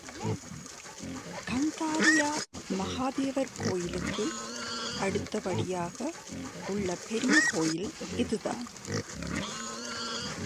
கந்தாரியா மகாதேவர் கோயிலுக்கு அடுத்தபடியாக உள்ள பெரிய கோயில் இதுதான்.